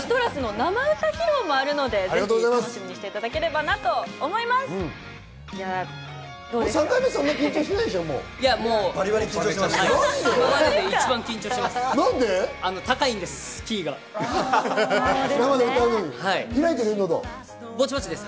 生歌披露もあるのでぜひ楽しみにしていただければなと思います。